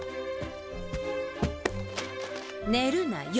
寝るなよ。